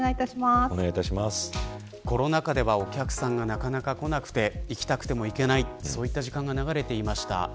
コロナ禍ではお客さんがなかなか来なくて行きたくても行けないそういった時が流れていました。